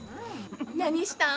何したん？